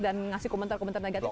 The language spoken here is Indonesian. dan ngasih komentar komentar negatif